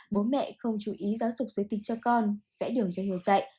bố mẹ không chú ý giáo dục giới tính cho con vẽ đường cho hướng chạy